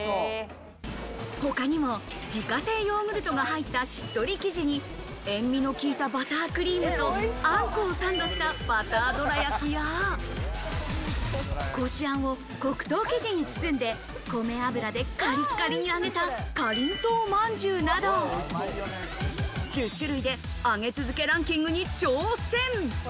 他にも自家製ヨーグルトが入ったしっとり生地に、塩味の効いたバタークリームとあんこをサンドしたバターどらやきや、こしあんを黒糖生地に包んで、米油でカリカリに揚げたかりんとう饅頭など、１０種類で上げ続けランキングに挑戦。